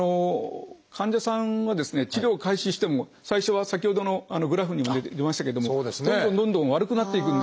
患者さんは治療を開始しても最初は先ほどのグラフにも出ましたけれどもどんどんどんどん悪くなっていくんですよ。